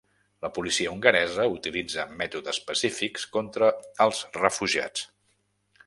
La policia hongaresa utilitza mètodes pacífics contra els refugiats